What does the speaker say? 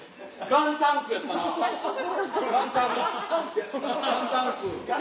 ガンタンク。